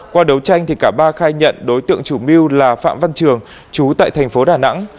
qua đấu tranh thì cả ba khai nhận đối tượng chủ mưu là phạm văn trường chú tại tp đà nẵng